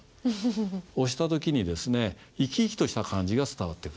押した時に生き生きとした感じが伝わってくる。